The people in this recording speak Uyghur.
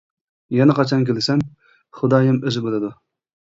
يەنە قاچان كېلىسەن، خۇدايىم ئۆزى بىلىدۇ.